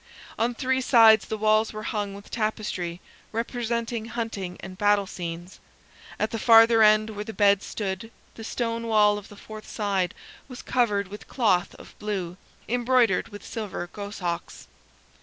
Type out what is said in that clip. On three sides the walls were hung with tapestry representing hunting and battle scenes, at the farther end, where the bed stood, the stone wall of the fourth side was covered with cloth of blue, embroidered with silver goshawks.